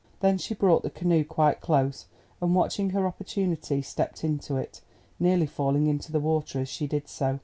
Then she brought the canoe quite close, and, watching her opportunity, stepped into it, nearly falling into the water as she did so.